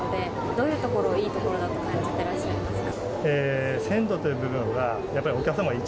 どういうところがいいところだと感じていらっしゃいますか。